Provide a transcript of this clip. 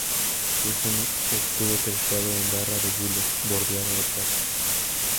Es un escudo terciado en barra de gules bordeada de plata.